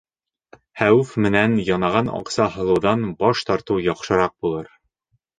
Хәүеф менән янаған аҡса һалыуҙан баш тартыу яҡшыраҡ булыр.